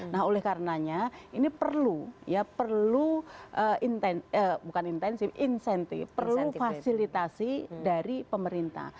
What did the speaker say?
nah oleh karenanya ini perlu ya perlu bukan intensif insentif perlu fasilitasi dari pemerintah